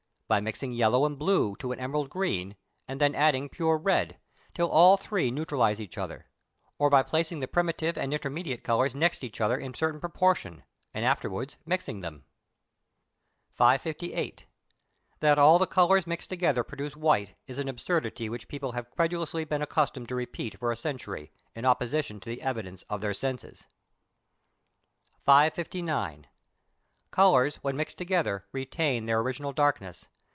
By mixing yellow and blue to an emerald green, and then adding pure red, till all three neutralize each other; or, by placing the primitive and intermediate colours next each other in a certain proportion, and afterwards mixing them. 558. That all the colours mixed together produce white, is an absurdity which people have credulously been accustomed to repeat for a century, in opposition to the evidence of their senses. 559. Colours when mixed together retain their original darkness.